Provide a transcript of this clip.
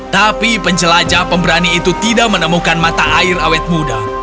tapi penjelajah pemberani itu tidak menemukan mata air awet muda